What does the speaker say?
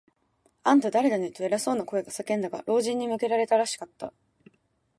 「あんた、だれだね？」と、偉そうな声が叫んだが、老人に向けられたらしかった。